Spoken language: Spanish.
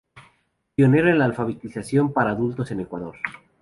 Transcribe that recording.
Pionero en la alfabetización para adultos en Ecuador.